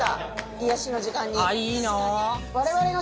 癒やしの時間に。